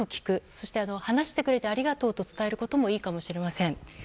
そして話してくれてありがとうと伝えることもいいかもしれません。